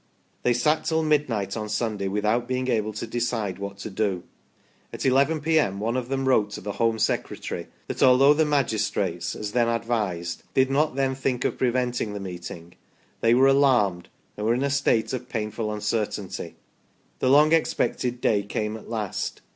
They sat till midnight on Sunday without being able to decide what to do. At 1 1 p.m. one of them wrote to the Home Secretary that although the magis trates, as then advised, did not then think of preventing the meeting, they were alarmed, and were in a state of painful uncertainty. The .long expected day came at last.